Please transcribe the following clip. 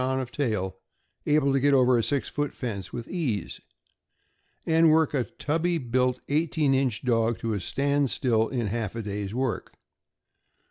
331 set on of tail, able to get over a six foot fence with ease, and work a tubby built eighteen inch dog to a stand still in half a day's work.